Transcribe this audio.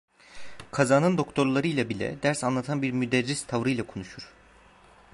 Kazanın doktorlarıyla bile, ders anlatan bir müderris tavrıyla konuşur…